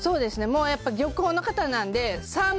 もうやっぱ漁港の方なんで、さん